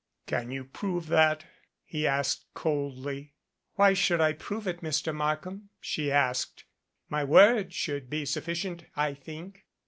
"Can you prove that?" he asked coldly. "Why should I prove it, Mr. Markham?" she asked. "My word should be sufficient, I think."